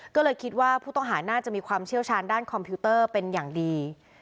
ก็เลยคิดว่าผู้ต้องหาน่าจะมีความเชี่ยวชาญด้านคอมพิวเตอร์เป็นอย่างดี